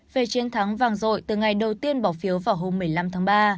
về chiến thắng vàng rội từ ngày đầu tiên bỏ phiếu vào hôm một mươi năm tháng ba